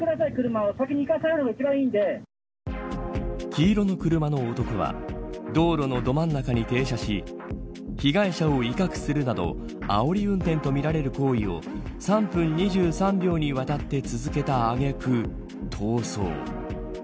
黄色の車の男は道路のど真ん中に停車し被害者を威嚇するなどあおり運転とみられる行為を３分２３秒にわたって続けたあげく逃走。